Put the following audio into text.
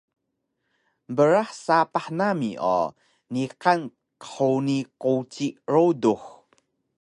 Brah sapah nami o niqan qhuni quci rudux